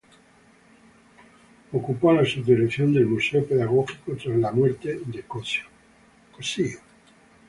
Ocupó la subdirección del Museo Pedagógico tras la muerte de Cossío.